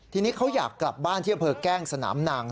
ทีนี้เขาอยากกลับบ้านที่อำเภอแก้งสนามนาง